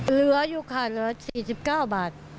เหลืออยู่ค่ะเหลือ๔๙บาท